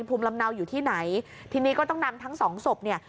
ภูมิลำเนาอยู่ที่ไหนทีนี้ก็ต้องนำทั้งสองศพเนี่ย